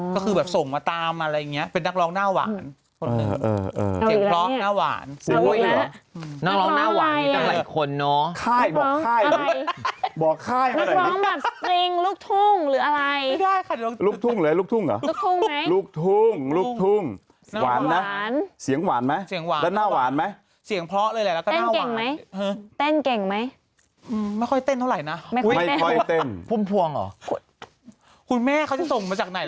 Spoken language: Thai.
ก็คือแบบส่งมาตามอะไรอย่างนี้เป็นนักร้องหน้าหวาน